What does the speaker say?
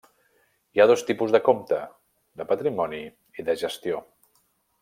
Hi ha dos tipus de compte: de patrimoni i de gestió.